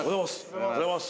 おはようございます！